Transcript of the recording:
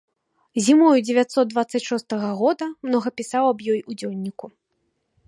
Зімою дзевяцьсот дваццаць шостага года многа пісаў аб ёй у дзённіку.